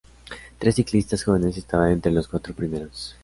Tres ciclistas jóvenes estaban entre los cuatro primeros.